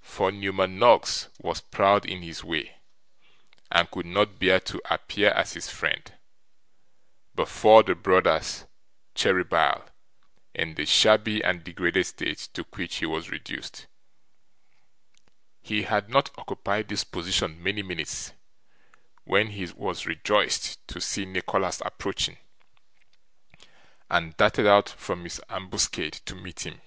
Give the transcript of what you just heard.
For Newman Noggs was proud in his way, and could not bear to appear as his friend, before the brothers Cheeryble, in the shabby and degraded state to which he was reduced. He had not occupied this position many minutes, when he was rejoiced to see Nicholas approaching, and darted out from his ambuscade to meet him.